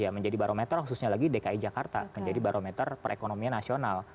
jadi menjadi barometer khususnya lagi dki jakarta menjadi barometer perekonomian nasional